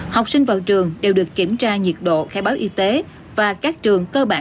học sinh vào trường đều được kiểm tra nhiệt độ khai báo y tế và các trường cơ bản